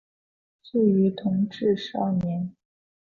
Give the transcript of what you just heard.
卒于同治十二年。